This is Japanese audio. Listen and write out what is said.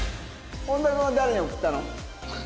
本田君は誰に送ったの？